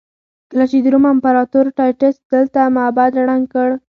کله چې د روم امپراتور ټایټس دلته معبد ړنګ کړ.